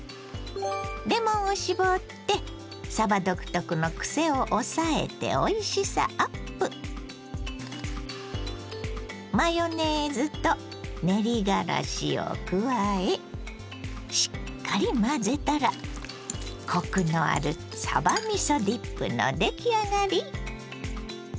レモンを搾ってさば独特のクセを抑えておいしさアップ！を加えしっかり混ぜたらコクのあるさばみそディップの出来上がり。